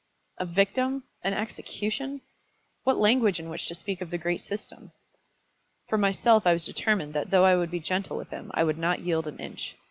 A victim; and execution! What language in which to speak of the great system! For myself I was determined that though I would be gentle with him I would not yield an inch.